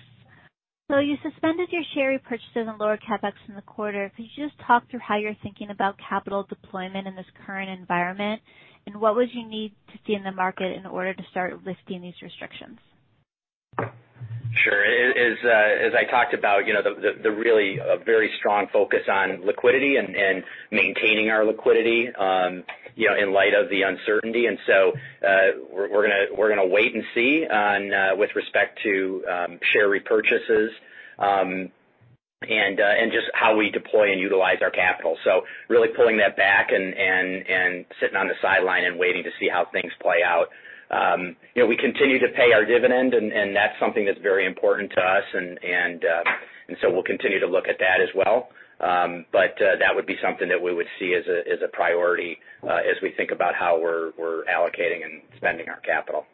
You suspended your share repurchases and lower CapEx in the quarter. Could you just talk through how you're thinking about capital deployment in this current environment, and what would you need to see in the market in order to start lifting these restrictions? Sure. As I talked about, the really very strong focus on liquidity and maintaining our liquidity in light of the uncertainty and so we're going to wait and see with respect to share repurchases, and just how we deploy and utilize our capital. Really pulling that back and sitting on the sideline and waiting to see how things play out. We continue to pay our dividend, and that's something that's very important to us, and so we'll continue to look at that as well. That would be something that we would see as a priority as we think about how we're allocating and spending our capital.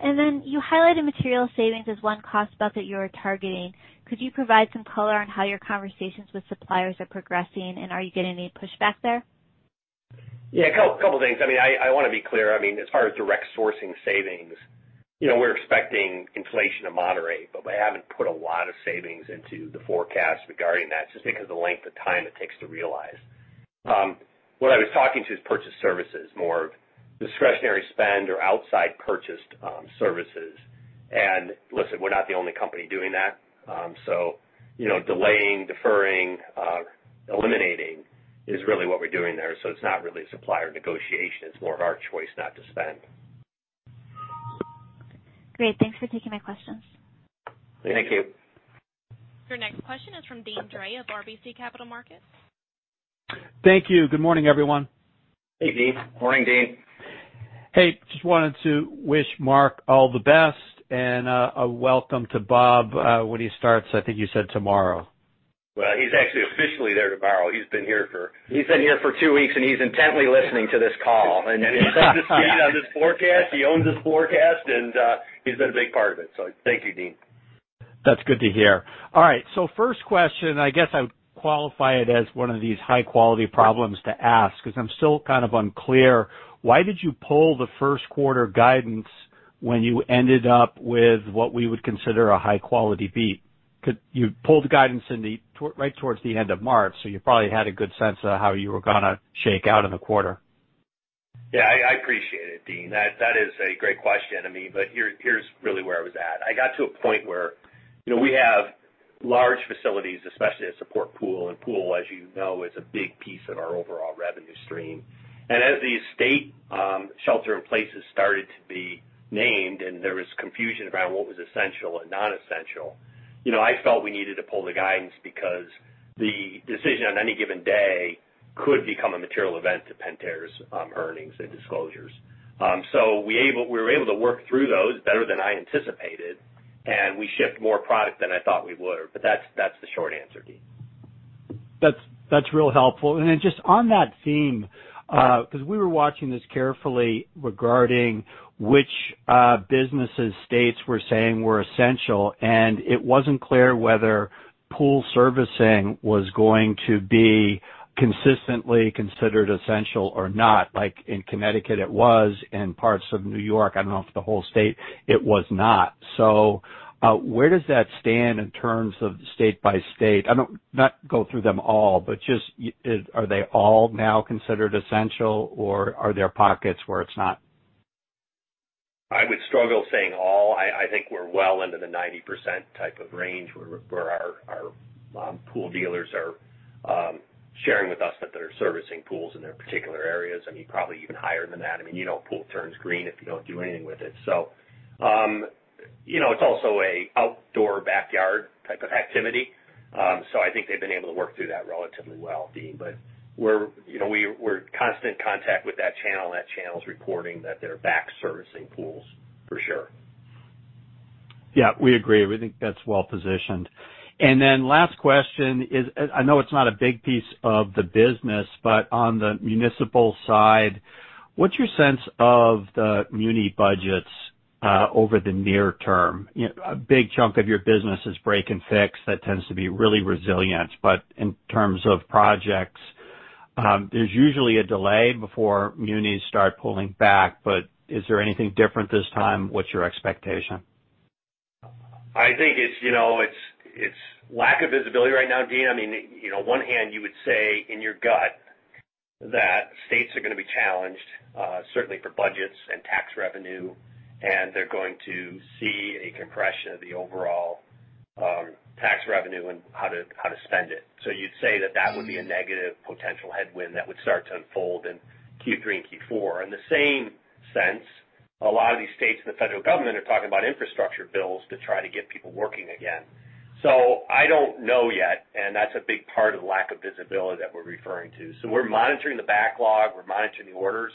And then you highlighted material savings as one cost bucket you are targeting. Could you provide some color on how your conversations with suppliers are progressing, and are you getting any pushback there? Yeah, couple things. I want to be clear, as far as direct sourcing savings, we're expecting inflation to moderate, but we haven't put a lot of savings into the forecast regarding that, just because the length of time it takes to realize. What I was talking to is purchase services, more of discretionary spend or outside purchased services. Listen, we're not the only company doing that. Delaying, deferring, eliminating is really what we're doing there. It's not really a supplier negotiation, it's more of our choice not to spend. Great. Thanks for taking my questions. Thank you. Your next question is from Deane Dray of RBC Capital Markets. Thank you. Good morning, everyone. Hey, Deane. Good morning, Deane. Hey, just wanted to wish Mark all the best and a welcome to Bob when he starts, I think you said tomorrow. Well, he's actually officially there tomorrow. He's been here for- He's been here for two weeks, and he's intently listening to this call. And then he's on this forecast. He owns this forecast, and he's been a big part of it. Thank you, Deane. That's good to hear. All right, first question, I guess I would qualify it as one of these high-quality problems to ask, because I'm still kind of unclear, why did you pull the first quarter guidance when you ended up with what we would consider a high-quality beat? You pulled the guidance right towards the end of March, you probably had a good sense of how you were going to shake out in the quarter. Yeah, I appreciate it, Deane. That is a great question. Here's really where I was at. I got to a point where we have large facilities, especially that support pool, and pool, as you know, is a big piece of our overall revenue stream. As these state shelter-in-places started to be named, and there was confusion around what was essential and non-essential, I felt we needed to pull the guidance because the decision on any given day could become a material event to Pentair's earnings and disclosures. We were able to work through those better than I anticipated, and we shipped more product than I thought we would have. That's the short answer, Deane. That's real helpful. Just on that theme, because we were watching this carefully regarding which businesses states were saying were essential, and it wasn't clear whether pool servicing was going to be consistently considered essential or not. Like in Connecticut it was, in parts of New York, I don't know if the whole state, it was not. Where does that stand in terms of state by state? Not go through them all, just are they all now considered essential, or are there pockets where it's not? I would struggle saying all. I think we're well into the 90% type of range where our pool dealers are sharing with us that they're servicing pools in their particular areas. Probably even higher than that. Pool turns green if you don't do anything with it. It's also a outdoor backyard type of activity. I think they've been able to work through that relatively well, Deane. We're constant contact with that channel, and that channel's reporting that they're back servicing pools for sure. Yeah, we agree. We think that's well-positioned. And then last question is, I know it's not a big piece of the business, but on the municipal side, what's your sense of the muni budgets over the near term? A big chunk of your business is break and fix. That tends to be really resilient. In terms of projects, there's usually a delay before munis start pulling back, but is there anything different this time? What's your expectation? I think it's lack of visibility right now, Deane. One hand you would say in your gut that states are going to be challenged, certainly for budgets and tax revenue, and they're going to see a compression of the overall tax revenue and how to spend it. You'd say that that would be a negative potential headwind that would start to unfold in Q3 and Q4. In the same sense, a lot of these states and the federal government are talking about infrastructure bills to try to get people working again. I don't know yet, and that's a big part of the lack of visibility that we're referring to. We're monitoring the backlog, we're monitoring the orders.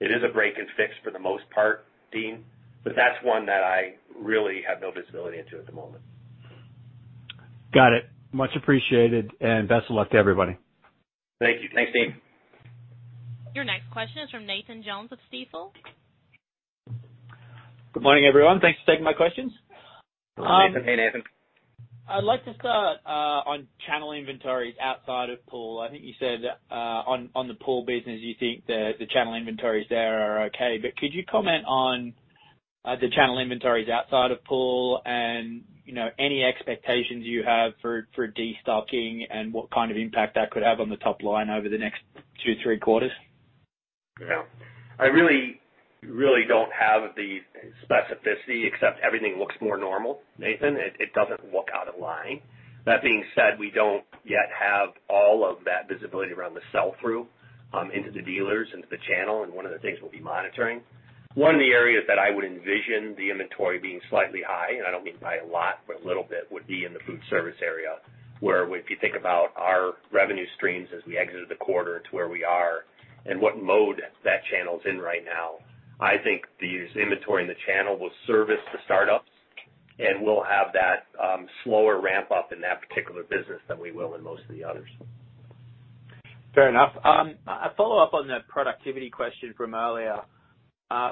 It is a break and fix for the most part, Deane, but that's one that I really have no visibility into at the moment. Got it. Much appreciated, and best of luck to everybody. Thank you. Thanks, Deane. Your next question is from Nathan Jones of Stifel. Good morning, everyone. Thanks for taking my questions. Hey, Nathan. I'd like to start on channel inventories outside of Pool. I think you said on the Pool business, you think that the channel inventories there are okay. Could you comment on the channel inventories outside of Pool and any expectations you have for de-stocking and what kind of impact that could have on the top line over the next two, three quarters? Yeah. I really don't have the specificity except everything looks more normal, Nathan. It doesn't look out of line. That being said, we don't yet have all of that visibility around the sell-through into the dealers, into the channel, and one of the things we'll be monitoring. One of the areas that I would envision the inventory being slightly high, and I don't mean by a lot, but a little bit, would be in the food service area, where if you think about our revenue streams as we exited the quarter to where we are and what mode that channel's in right now. I think the inventory in the channel will service the startups, and we'll have that slower ramp up in that particular business than we will in most of the others. Fair enough. A follow-up on the productivity question from earlier.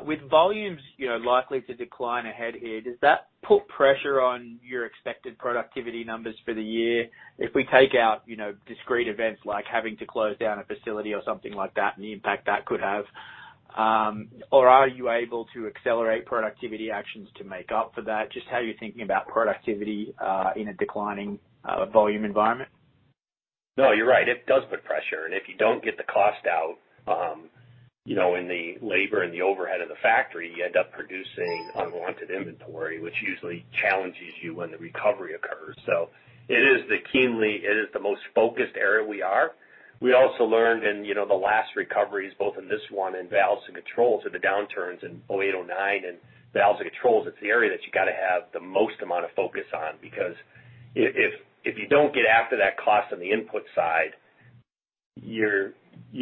With volumes likely to decline ahead here, does that put pressure on your expected productivity numbers for the year? If we take out discrete events like having to close down a facility or something like that, and the impact that could have, or are you able to accelerate productivity actions to make up for that? Just how you're thinking about productivity in a declining volume environment. No, you're right. It does put pressure. If you don't get the cost out in the labor and the overhead of the factory, you end up producing unwanted inventory, which usually challenges you when the recovery occurs. It is the most focused area we are. We also learned in the last recoveries, both in this one, in Valves & Controls, the downturns in 2008, 2009, and Valves & Controls, it's the area that you got to have the most amount of focus on. If you don't get after that cost on the input side, you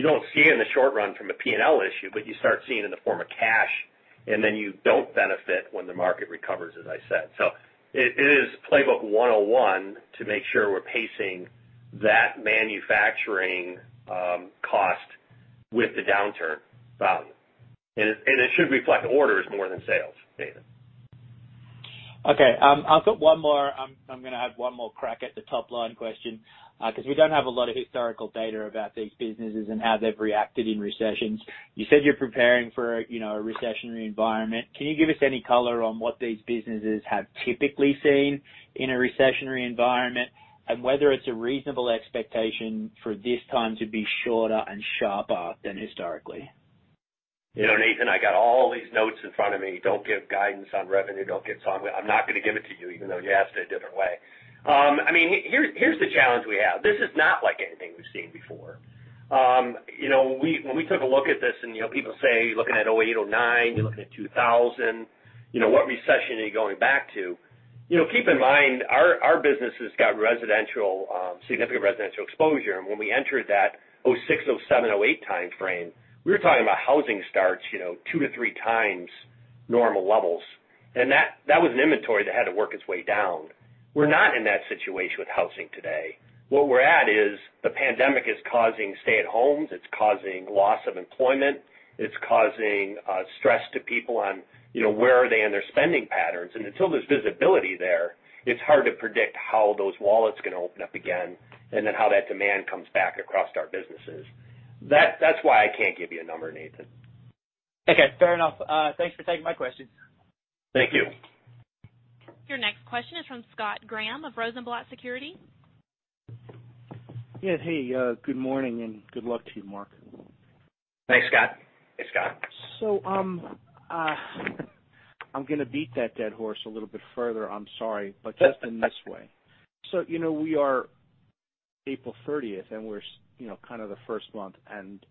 don't see it in the short run from a P&L issue, but you start seeing it in the form of cash, and then you don't benefit when the market recovers, as I said. It is playbook 101 to make sure we're pacing that manufacturing cost with the downturn value. It should reflect orders more than sales data. Okay. I've got one more. I'm going to have one more crack at the top-line question. We don't have a lot of historical data about these businesses and how they've reacted in recessions. You said you're preparing for a recessionary environment. Can you give us any color on what these businesses have typically seen in a recessionary environment and whether it's a reasonable expectation for this time to be shorter and sharper than historically? Nathan, I got all these notes in front of me. Don't give guidance on revenue. I'm not going to give it to you even though you asked it a different way. Here's the challenge we have. This is not like anything we've seen before. When we took a look at this, and people say, "Looking at 2008, 2009, you're looking at 2000, what recession are you going back to?" Keep in mind, our business has got significant residential exposure. When we entered that 2006, 2007, 2008 time frame, we were talking about housing starts two to three times normal levels. That was an inventory that had to work its way down. We're not in that situation with housing today. What we're at is the pandemic is causing stay at homes. It's causing loss of employment. It's causing stress to people on where are they in their spending patterns. Until there's visibility there, it's hard to predict how those wallets are going to open up again, and then how that demand comes back across our businesses. That's why I can't give you a number, Nathan. Okay, fair enough. Thanks for taking my questions. Thank you. Your next question is from Scott Graham of Rosenblatt Securities. Yeah. Hey, good morning, and good luck to you, Mark. Thanks, Scott. Hey, Scott. I'm going to beat that dead horse a little bit further, I'm sorry, but just in this way. We are April 30th, and we're kind of the first month, and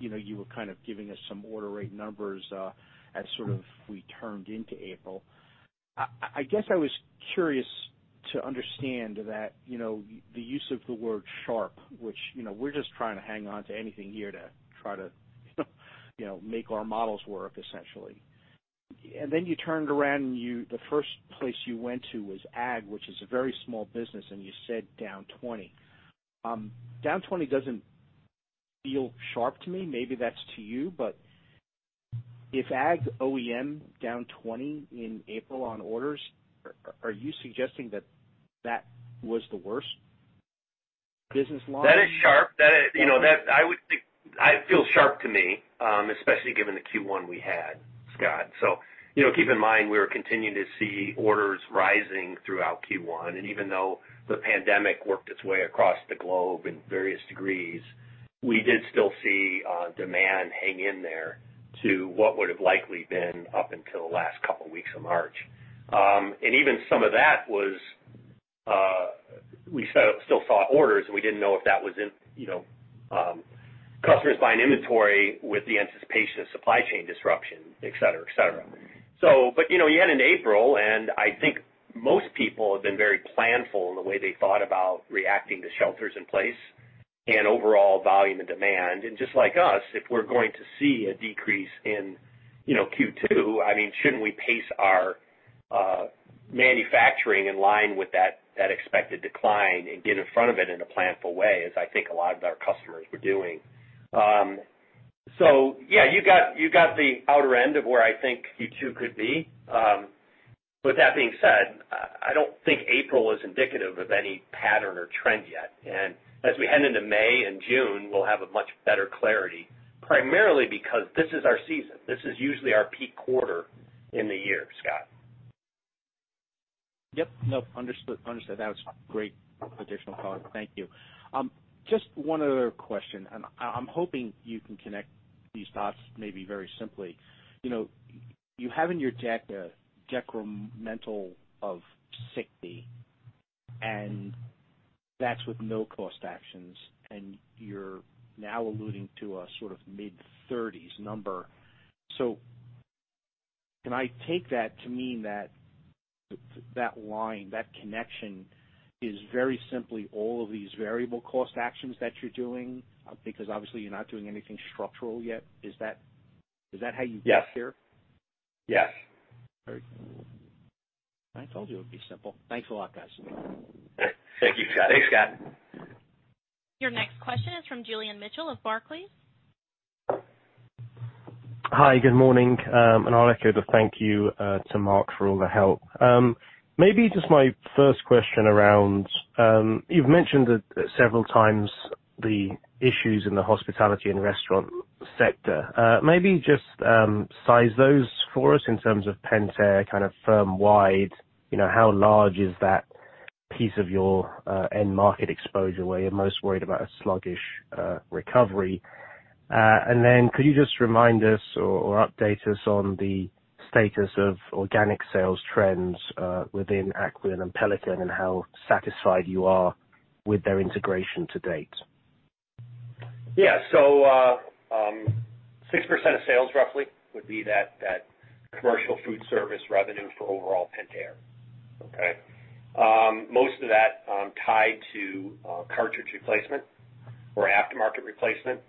you were kind of giving us some order rate numbers as sort of we turned into April. I guess I was curious to understand that the use of the word sharp, which we're just trying to hang on to anything here to try to make our models work, essentially. Then you turned around and the first place you went to was ag, which is a very small business, and you said down 20%. Down 20% doesn't feel sharp to me. Maybe that's to you, but if ag OEM down 20% in April on orders, are you suggesting that that was the worst business line? That is sharp. That feels sharp to me, especially given the Q1 we had, Scott. Keep in mind, we were continuing to see orders rising throughout Q1, even though the pandemic worked its way across the globe in various degrees, we did still see demand hang in there to what would've likely been up until the last couple weeks of March. Even some of that was we still saw orders, and we didn't know if that was customers buying inventory with the anticipation of supply chain disruption, etc. You add in April, and I think most people have been very planful in the way they thought about reacting to shelters in place and overall volume and demand. Just like us, if we're going to see a decrease in Q2, shouldn't we pace our manufacturing in line with that expected decline and get in front of it in a planful way, as I think a lot of our customers were doing. Yeah, you got the outer end of where I think Q2 could be. With that being said, I don't think April is indicative of any pattern or trend yet. As we head into May and June, we'll have a much better clarity, primarily because this is our season. This is usually our peak quarter in the year, Scott. Yep. No. Understood. That was great additional color. Thank you. Just one other question, I'm hoping you can connect these dots maybe very simply. You have in your deck a decremental of 60, and that's with no cost actions, and you're now alluding to a sort of mid-30s number. Can I take that to mean that line, that connection is very simply all of these variable cost actions that you're doing because obviously you're not doing anything structural yet. Is that how you got there? Yes. All right. I told you it would be simple. Thanks a lot, guys. Thank you, Scott. Thanks, Scott. Your next question is from Julian Mitchell of Barclays. Hi, good morning. I'll echo the thank you to Mark for all the help. Maybe just my first question around, you've mentioned several times the issues in the hospitality and restaurant sector. Maybe just size those for us in terms of Pentair kind of firm wide. How large is that piece of your end market exposure, where you're most worried about a sluggish recovery? And then could you just remind us or update us on the status of organic sales trends within Aquion and Pelican, and how satisfied you are with their integration to date? Yeah, so 6% of sales roughly would be that commercial food service revenue for overall Pentair. Most of that tied to cartridge replacement or aftermarket replacement.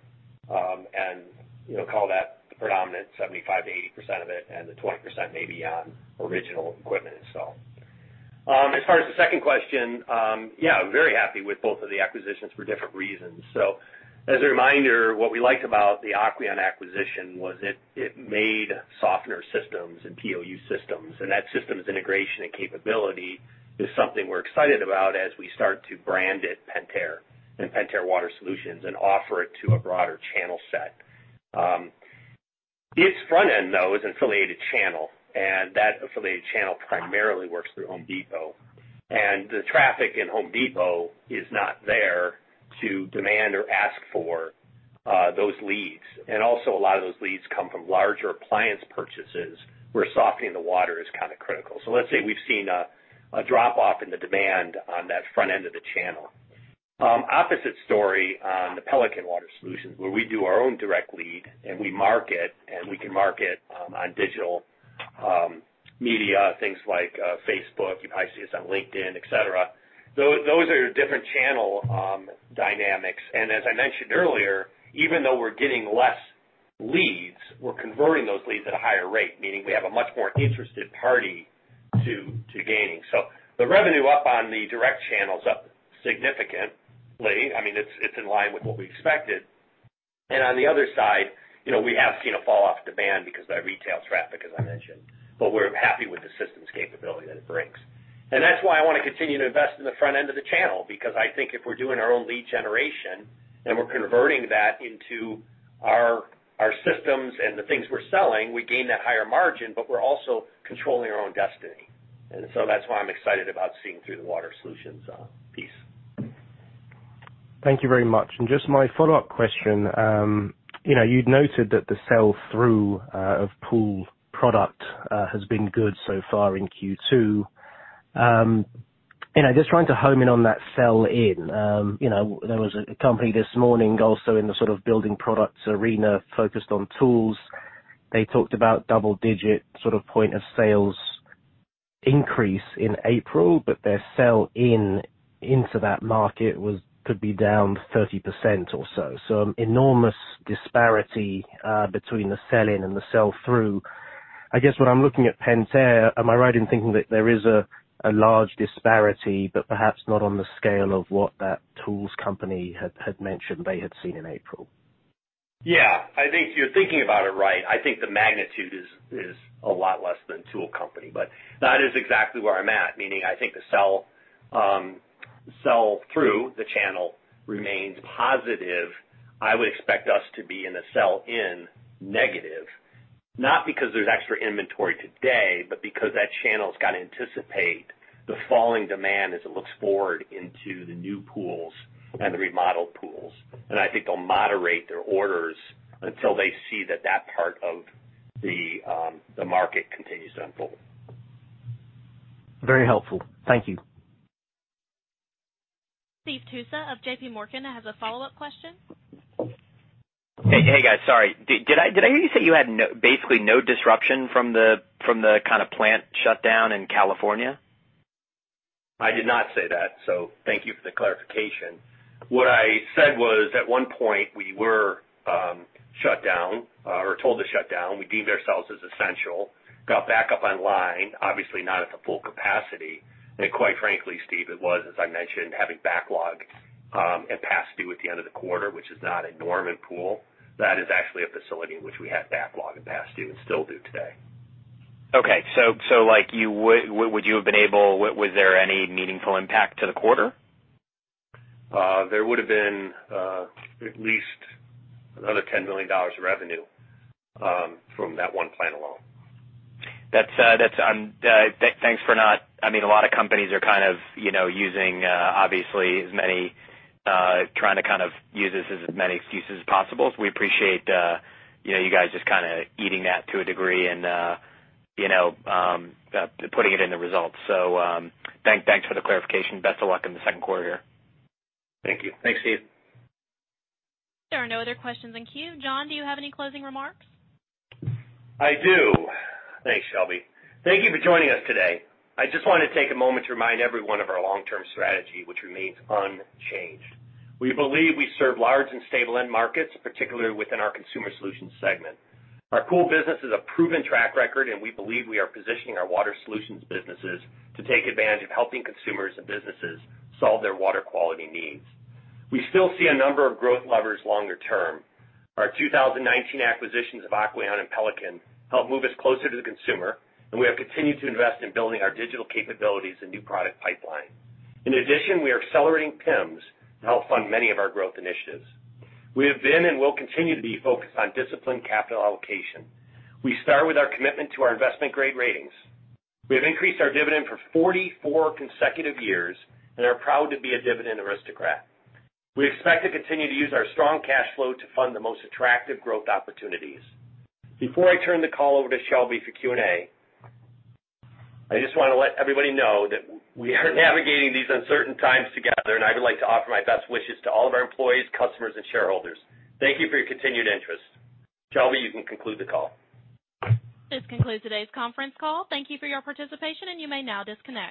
Call that the predominant 75%-80% of it, and the 20% may be on original equipment installed. As far as the second question, very happy with both of the acquisitions for different reasons. As a reminder, what we liked about the Aquion acquisition was it made softener systems and POU systems. That systems integration and capability is something we're excited about as we start to brand it Pentair and Pentair Water Solutions and offer it to a broader channel set. Its front end, though, is affiliated channel, and that affiliated channel primarily works through The Home Depot. The traffic in The Home Depot is not there to demand or ask for those leads. Also a lot of those leads come from larger appliance purchases where softening the water is kind of critical. Let's say we've seen a drop-off in the demand on that front end of the channel. Opposite story on the Pelican Water Solutions where we do our own direct lead and we market, and we can market on digital media, things like Facebook, you might see us on LinkedIn, etc. Those are different channel dynamics. As I mentioned earlier, even though we're getting less leads, we're converting those leads at a higher rate, meaning we have a much more interested party to gaining. The revenue up on the direct channel is up significantly. It's in line with what we expected. And on the other side, we have seen a fall-off demand because of that retail traffic, as I mentioned. We're happy with the systems capability that it brings. That's why I want to continue to invest in the front end of the channel, because I think if we're doing our own lead generation and we're converting that into our systems and the things we're selling, we gain that higher margin, but we're also controlling our own destiny. That's why I'm excited about seeing through the Water Solutions piece. Thank you very much. Just my follow-up question. You'd noted that the sell-through of Pool product has been good so far in Q2. Just trying to home in on that sell in. There was a company this morning also in the sort of building products arena focused on tools. They talked about double-digit sort of point of sales increase in April, but their sell-in into that market could be down 30% or so. Enormous disparity between the sell-in and the sell-through. I guess when I'm looking at Pentair, am I right in thinking that there is a large disparity, but perhaps not on the scale of what that tools company had mentioned they had seen in April? Yeah. I think you're thinking about it right. I think the magnitude is a lot less than tool company but that is exactly where I'm at. Meaning, I think the sell-through the channel remains positive. I would expect us to be in the sell-in negative, not because there's extra inventory today, but because that channel's got to anticipate the falling demand as it looks forward into the new pools and the remodeled pools. I think they'll moderate their orders until they see that part of the market continues to unfold. Very helpful. Thank you. Steve Tusa of JPMorgan has a follow-up question. Hey, guys. Sorry. Did I hear you say you had basically no disruption from the kind of plant shutdown in California? I did not say that. Thank you for the clarification. What I said was, at one point, we were shut down or told to shut down. We deemed ourselves as essential. We got back up online, obviously not at the full capacity. Quite frankly, Steve, it was, as I mentioned, having backlog and past due at the end of the quarter, which is not at Norman pool. That is actually a facility in which we had backlog and past due, and still do today. Okay. Was there any meaningful impact to the quarter? There would've been at least another $10 million of revenue from that one plant alone. A lot of companies are kind of using, obviously, trying to kind of use this as many excuses as possible. We appreciate you guys just kind of eating that to a degree and putting it in the results. Thanks for the clarification. Best of luck in the second quarter. Thank you. Thanks, Steve. There are no other questions in queue. John, do you have any closing remarks? I do. Thanks, Shelby. Thank you for joining us today. I just want to take a moment to remind everyone of our long-term strategy, which remains unchanged. We believe we serve large and stable end markets, particularly within our Consumer Solutions segment. Our Pool business is a proven track record, and we believe we are positioning our Water Solutions businesses to take advantage of helping consumers and businesses solve their water quality needs. We still see a number of growth levers longer term. Our 2019 acquisitions of Aquion and Pelican help move us closer to the consumer, and we have continued to invest in building our digital capabilities and new product pipeline. In addition, we are accelerating PIMS to help fund many of our growth initiatives. We have been and will continue to be focused on disciplined capital allocation. We start with our commitment to our investment-grade ratings. We have increased our dividend for 44 consecutive years and are proud to be a dividend aristocrat. We expect to continue to use our strong cash flow to fund the most attractive growth opportunities. Before I turn the call over to Shelby for Q&A, I just want to let everybody know that we are navigating these uncertain times together, and I would like to offer my best wishes to all of our employees, customers, and shareholders. Thank you for your continued interest. Shelby, you can conclude the call. This concludes today's conference call. Thank you for your participation, and you may now disconnect.